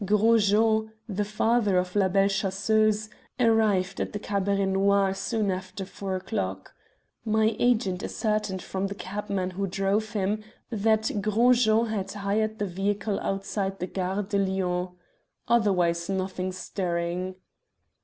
"Gros Jean, the father of La Belle Chasseuse, arrived at the Cabaret Noir soon after four o'clock. My agent ascertained from the cabman who drove him that Gros Jean had hired the vehicle outside the Gare de Lyon. Otherwise nothing stirring."